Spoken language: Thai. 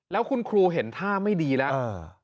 แล้วคุณครูเห็นท่าไม่ดีแล้ว